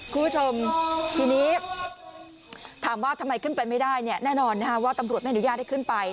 คุณผู้ชมทีนี้ถามว่าทำไมขึ้นไปไม่ได้เนี่ยแน่นอนว่าตำรวจไม่อนุญาตให้ขึ้นไป